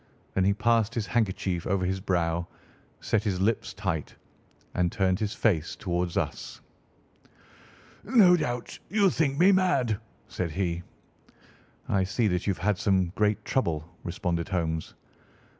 Then he passed his handkerchief over his brow, set his lips tight, and turned his face towards us. "No doubt you think me mad?" said he. "I see that you have had some great trouble," responded Holmes.